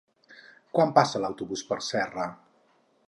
Quan passa l'autobús per Serra?